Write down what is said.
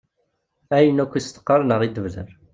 Ayen akk i as-teqqar neɣ i d-tebder.